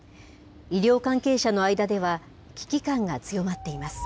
医療関係者の間では、危機感が強まっています。